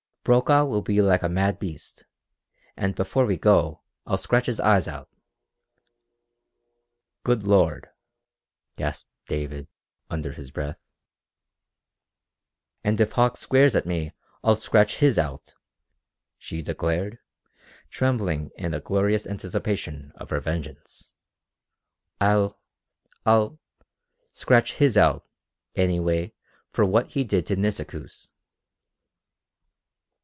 Brokaw will be like a mad beast, and before we go I'll scratch his eyes out!" "Good Lord!" gasped David under his breath. "And if Hauck swears at me I'll scratch his out!" she declared, trembling in the glorious anticipation of her vengeance. "I'll ... I'll scratch his out, anyway, for what he did to Nisikoos!"